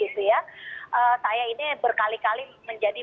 saya ini berkali kali menjadi